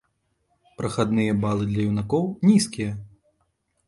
Прахадныя балы для юнакоў нізкія.